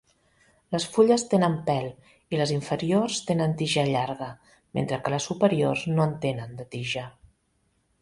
Les fulles tenen pèl, i les inferiors tenen tija llarga, mentre que les superiors no en tenen, de tija.